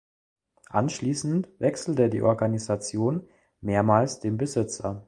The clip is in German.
Anschließend wechselte die Organisation mehrmals den Besitzer.